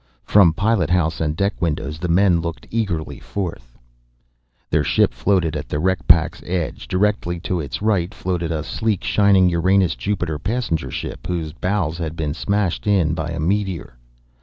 From pilot house and deck windows the men looked eagerly forth. Their ship floated at the wreck pack's edge. Directly to its right floated a sleek, shining Uranus Jupiter passenger ship whose bows had been smashed in by a meteor.